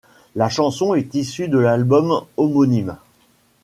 La chanson est issue de l'album homonyme.